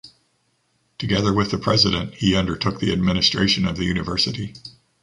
Together with the president, he undertook the administration of the university.